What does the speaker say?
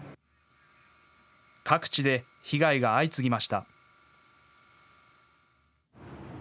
各地で被害が相次ぎました。